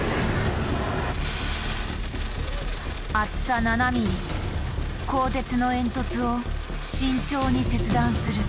厚さ７ｍｍ鋼鉄の煙突を慎重に切断する。